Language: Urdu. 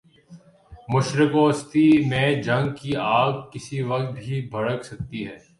مشرق وسطی میں جنگ کی آگ کسی وقت بھی بھڑک سکتی ہے۔